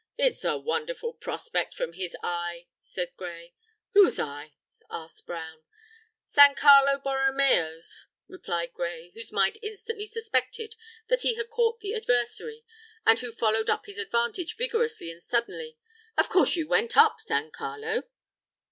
"It's a wonderful prospect from his eye," said Gray. "Whose eye?" asked Brown. "San Carlo Borromeo's," replied Gray, whose mind instantly suspected that he had caught the adversary, and who followed up his advantage vigorously and suddenly. "Of course you went up San Carlo?"